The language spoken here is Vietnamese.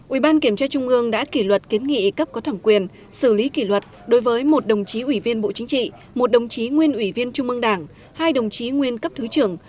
ubkc đã kỷ luật kiến nghị cấp có thẩm quyền xử lý kỷ luật đối với một đồng chí ủy viên bộ chính trị một đồng chí nguyên ủy viên trung mương đảng hai đồng chí nguyên cấp thứ trưởng